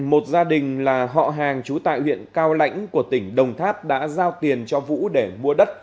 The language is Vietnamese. một gia đình là họ hàng trú tại huyện cao lãnh của tỉnh đồng tháp đã giao tiền cho vũ để mua đất